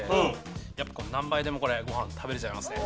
何杯でもこれご飯食べれちゃいますね。